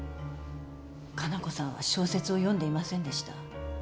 加奈子さんは小説を読んでいませんでした。